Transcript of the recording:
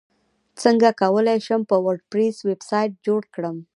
څنګه کولی شم په وردپریس ویبسایټ جوړ کړم